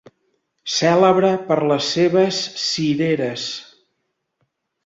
Cèlebre per les seves cireres.